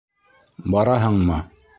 Бараһыңмы?